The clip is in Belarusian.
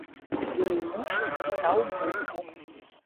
Ёй муж дастаў булку.